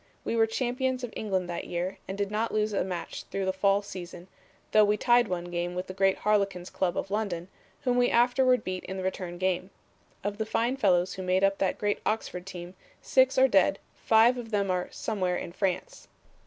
We were champions of England that year, and did not lose a match through the fall season, though we tied one game with the great Harlequins Club of London, whom we afterward beat in the return game. Of the fine fellows who made up that great Oxford team, six are dead, five of them 'somewhere in France.'"